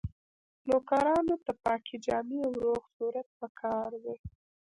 نوکرانو ته پاکې جامې او روغ صورت پکار دی.